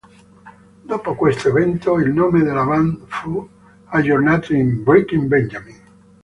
Dopo questo evento il nome della band fu aggiornato in "Breaking Benjamin".